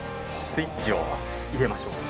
スイッチを入れましょう。